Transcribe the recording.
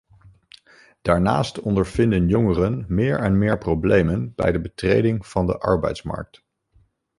Daarnaast ondervinden jongeren meer en meer problemen bij de betreding van de arbeidsmarkt.